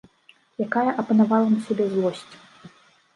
Якая апанавала на сябе злосць!